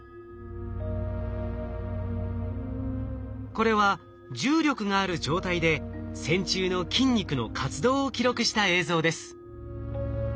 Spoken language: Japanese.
これは重力がある状態で線虫の筋肉の活動を記録した映像です。